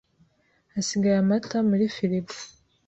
Hasigaye amata muri firigo.